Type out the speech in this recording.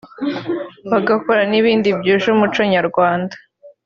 bagakora n’ibindi byuje umuco Nyarwanda